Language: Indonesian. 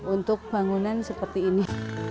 untuk bangunan seperti ini